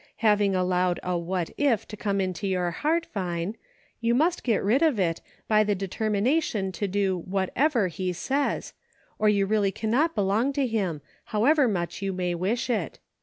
Having allowed a ' what if ' to come into your heart. Vine, you must get rid of it, by the determination to do whatever he says, or you really cannot belong to him, however much you may wish it.